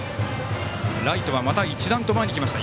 ライトはまた一段と前に来ました。